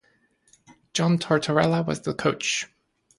John Tortorella was the coach.